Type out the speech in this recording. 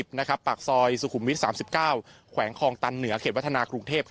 ปากซอยสุขุมวิท๓๙แขวงคลองตันเหนือเขตวัฒนากรุงเทพ